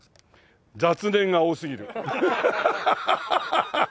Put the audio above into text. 「雑念が多すぎる」